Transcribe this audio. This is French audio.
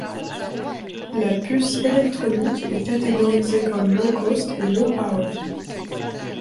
La puce électronique est catégorisée comme low-cost et low-power.